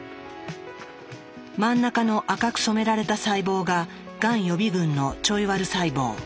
真ん中の赤く染められた細胞ががん予備群のちょいワル細胞。